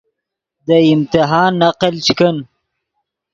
دے امتحان نقل چے کن